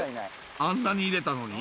あんなに入れたのに？